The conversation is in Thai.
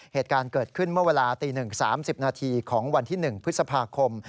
เหตุการณ์เกิดขึ้นเมื่อเวลาตี๑๓๐นาทีของวันที่๑พฤษภาคม